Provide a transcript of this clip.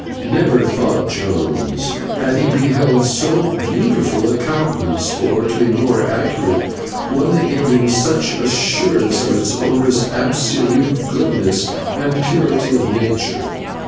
Never, thought Jones, had he beheld so beautiful a countenance, or, to be more accurate, one that gave him such assurance of its owner's absolute goodness and purity of nature.